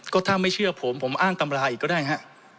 ก็ถ้าไม่เชื่อผมผมอ้างตำราอีกก็ได้ฮะ